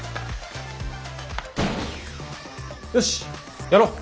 よしやろう。